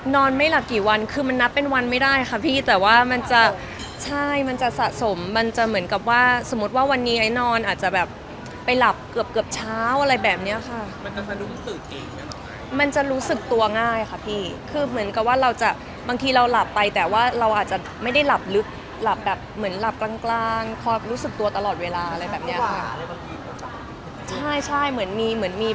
ไม่หลับกี่วันคือมันนับเป็นวันไม่ได้ค่ะพี่แต่ว่ามันจะใช่มันจะสะสมมันจะเหมือนกับว่าสมมุติว่าวันนี้ไอ้นอนอาจจะแบบไปหลับเกือบเกือบเช้าอะไรแบบเนี้ยค่ะมันจะรู้สึกตัวง่ายค่ะพี่คือเหมือนกับว่าเราจะบางทีเราหลับไปแต่ว่าเราอาจจะไม่ได้หลับลึกหลับแบบเหมือนหลับกลางกลางความรู้สึกตัวตลอดเวลาอะไรแบบเนี้ยค่ะ